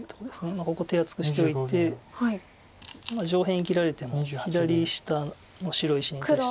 ここ手厚くしておいて上辺生きられても左下の白石に対して。